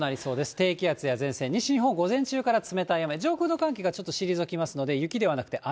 低気圧や前線、西日本、午前中から冷たい雨、上空の寒気がちょっと退きますので、雪ではなくて、雨。